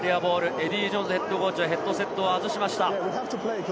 エディー・ジョーンズＨＣはヘッドセットを外しました。